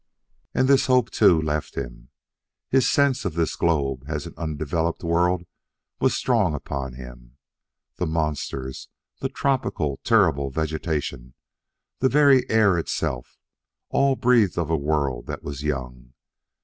And this hope, too, left him; his sense of this globe as an undeveloped world was strong upon him. The monsters; the tropical, terrible vegetation; the very air itself all breathed of a world that was young.